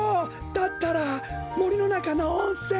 だったらもりのなかのおんせん！